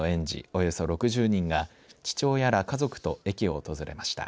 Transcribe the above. およそ６０人が父親ら家族と駅を訪れました。